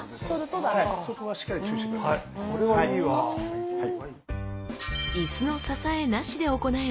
そこはしっかり注意して下さい。